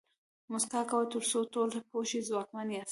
موسکا کوه تر څو ټول پوه شي ځواکمن یاست.